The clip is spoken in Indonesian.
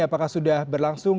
apakah sudah berlangsung